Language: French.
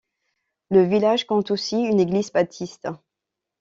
Le village compte aussi une église baptiste.